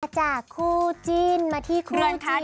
อาจารย์คู่จินมาที่คู่จริง